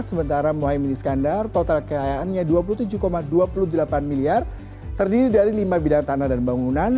sementara mohaimin iskandar total kekayaannya dua puluh tujuh dua puluh delapan miliar terdiri dari lima bidang tanah dan bangunan